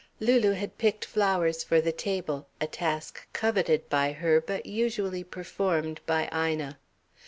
Lulu had picked flowers for the table a task coveted by her but usually performed by Ina.